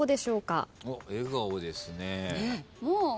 笑顔ですね。